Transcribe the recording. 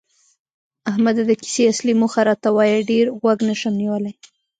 احمده! د کیسې اصلي موخه راته وایه، ډېر غوږ نشم نیولی.